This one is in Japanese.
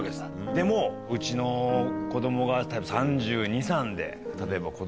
でもうちの子供が３２３３歳で例えば。